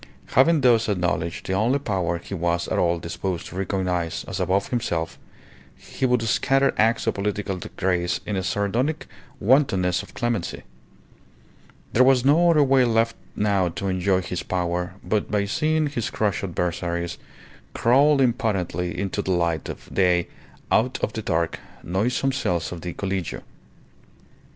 Having thus acknowledged the only power he was at all disposed to recognize as above himself, he would scatter acts of political grace in a sardonic wantonness of clemency. There was no other way left now to enjoy his power but by seeing his crushed adversaries crawl impotently into the light of day out of the dark, noisome cells of the Collegio.